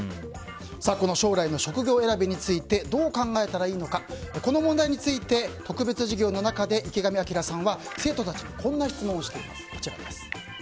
この将来の職業選びについてどう考えたらいいのかこの問題について特別授業の中で池上彰さんは生徒たちにこんな質問をしています。